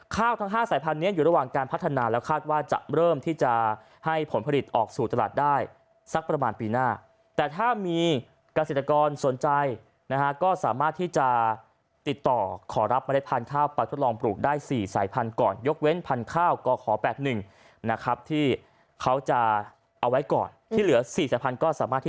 ทั้ง๕สายพันธุนี้อยู่ระหว่างการพัฒนาแล้วคาดว่าจะเริ่มที่จะให้ผลผลิตออกสู่ตลาดได้สักประมาณปีหน้าแต่ถ้ามีเกษตรกรสนใจนะฮะก็สามารถที่จะติดต่อขอรับเมล็ดพันธุ์ข้าวไปทดลองปลูกได้๔สายพันธุ์ก่อนยกเว้นพันธุ์กขอ๘๑นะครับที่เขาจะเอาไว้ก่อนที่เหลือ๔สายพันธุก็สามารถที่